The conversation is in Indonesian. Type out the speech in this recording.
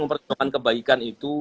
mempertahankan kebaikan itu